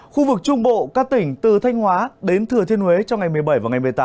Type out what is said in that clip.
khu vực trung bộ các tỉnh từ thanh hóa đến thừa thiên huế trong ngày một mươi bảy và ngày một mươi tám